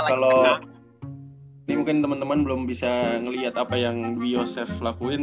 ini mungkin temen temen belum bisa ngeliat apa yang duiosef lakuin